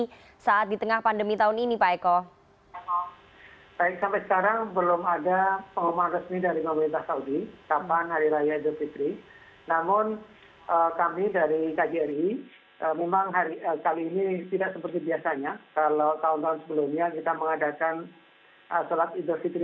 kepada penyelenggaraan beberapa orang diperlukan untuk berbelanja untuk persiapan perayaan idul fitri